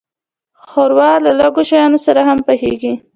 ښوروا له لږو شیانو سره هم پخیږي.